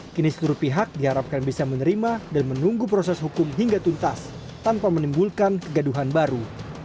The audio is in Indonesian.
kini seluruh pihak diharapkan bisa menerima dan menunggu proses hukum hingga tuntas tanpa menimbulkan kegaduhan baru